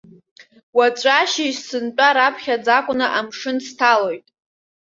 Уаҵәы ашьыжь сынтәа раԥхьаӡакәны амшын сҭалоит.